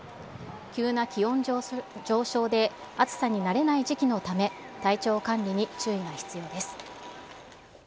急な気温上昇で暑さに慣れない時期のため、体調管理に注意が必要です。